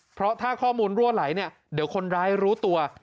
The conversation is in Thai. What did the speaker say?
เพราะถ้าข้อมูลรั่วไหลเนี่ยเดี๋ยวคนร้ายรู้ตัว